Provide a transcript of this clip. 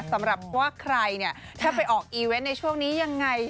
สำหรับว่าใครเนี่ยถ้าไปออกอีเวนต์ในช่วงนี้ยังไง